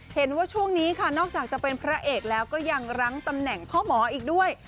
เห็นว่าช่วงนี้ค่ะนอกจากจะเป็นพระเอกแล้วก็ยังรั้งตำแหน่งพ่อหมออีกด้วย